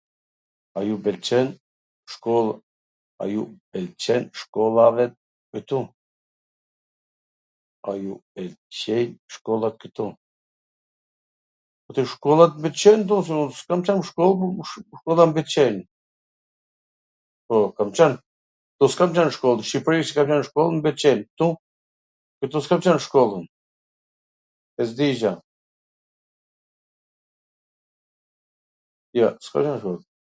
A ju pwlqejn shkollat kwtu? Shkollat m pwlqejn ktu, se un s kam qwn nw shkoll po shkollat m pwlqejn, po, kam qwn, ktu s kam qwn nw shkoll, nw Shqipri shkollat mw pwlqejn, kwtu, ktu s kam nw shkoll un, s di gja, jo, s kam qwn nw shkoll.